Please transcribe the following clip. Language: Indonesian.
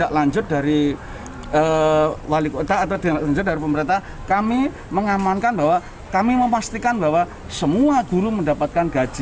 terlanjut dari wali kota atau terlanjut dari pemerintah kami mengamankan bahwa kami memastikan bahwa semua guru mendapatkan gaji